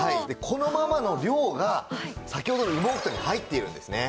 このままの量が先ほどの羽毛布団に入っているんですね。